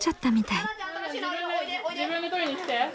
自分で取りに来て。